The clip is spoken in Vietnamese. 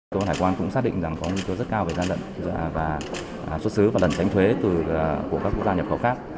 công an hải quan cũng xác định rằng có nguyên chứa rất cao về gian lận và xuất xứ và lần tránh thuế của các cụ đa nhập khẩu khác